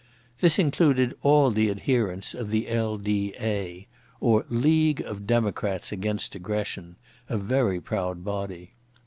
This included all the adherents of the L.D.A.—or League of Democrats against Aggression—a very proud body.